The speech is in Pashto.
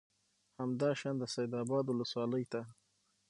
همدا شان د سید آباد ولسوالۍ ته